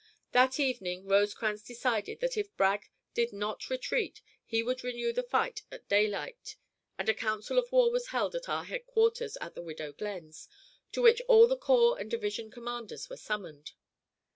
That evening Rosecrans decided that if Bragg did not retreat he would renew the fight at daylight, and a council of war was held at our headquarters at the Widow Glenn's, to which all the corps and division commanders were summoned.